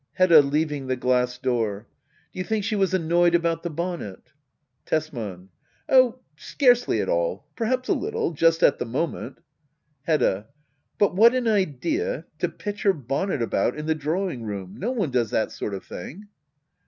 Hedda. [Leaving the glass door,] Do you think she was annoyed about the bonnet ? Tesman. Oh^ scarcely at all. Perhaps a little Just at the moment Hedda. But what an idea^ to pitch her bonnet about in the drawing room ! No one does that sort of thing.